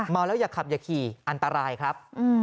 แล้วอย่าขับอย่าขี่อันตรายครับ